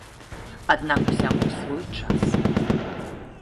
Аднак усяму свой час.